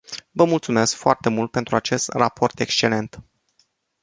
Vă mulțumesc foarte mult pentru acest raport excelent.